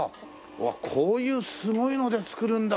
こういうすごいので作るんだ。